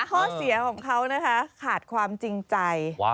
ข้อเสียของเขานะคะขาดความจริงใจ